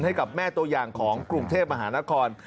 ให้กับแม่ตัวอย่างของกรุงเทพมหานคร